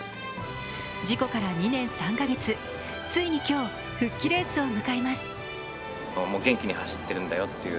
事故から２年３か月、ついに今日、復帰レースを迎えます。